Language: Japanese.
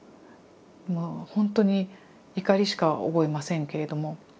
もうほんとに怒りしか覚えませんけれども。